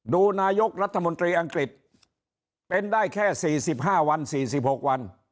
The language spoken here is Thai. ดูนายกรัฐมนตรีอังกฤษเป็นได้แค่๔๕วัน๔๖วัน